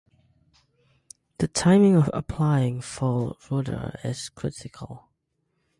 The timing of applying full rudder is critical.